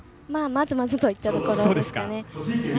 まずまずといったところです。